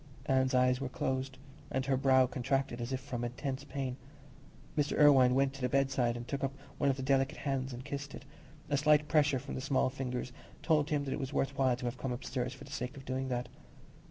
Anne's eyes were closed, and her brow contracted as if from intense pain. Mr. Irwine went to the bedside and took up one of the delicate hands and kissed it, a slight pressure from the small fingers told him that it was worth while to have come upstairs for the sake of doing that.